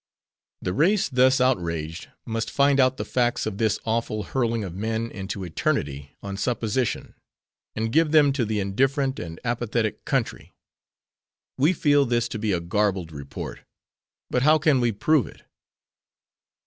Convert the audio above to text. The race thus outraged must find out the facts of this awful hurling of men into eternity on supposition, and give them to the indifferent and apathetic country. We feel this to be a garbled report, but how can we prove it?